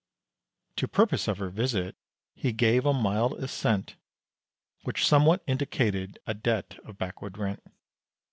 To purpose of her visit, he gave a mild assent, Which somewhat indicated a debt of backward rent.